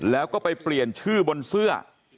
แล้วก็ไปเปลี่ยนชื่อบนเสื้อ